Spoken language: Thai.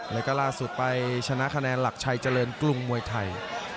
แล้วก็ล่าสุดไปชนะคะแนนหลักชัยเจริญกรุงมวยไทย